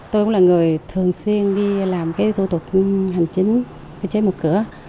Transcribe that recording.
tôi cũng là người thường xuyên đi làm cái thủ tục hành chính cơ chế một cửa